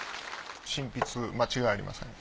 真筆間違いありません。